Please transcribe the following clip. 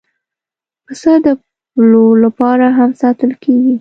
پسه د پلور لپاره هم ساتل کېږي.